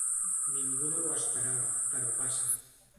Ningú no ho esperava, però passa.